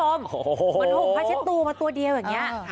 เหมือนห่มพัชตูมาตัวเดียวอย่างเงี้ย